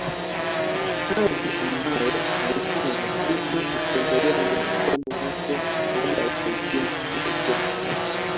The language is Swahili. Kazi ambayo aliifanya huku akiendelea na masomo yake hadi alipohitimu katika chuo kikuu